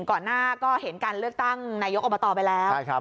ก่อนหน้าก็เห็นการเลือกตั้งนายกอบตไปแล้ว